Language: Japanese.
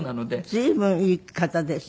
随分いい方ですね。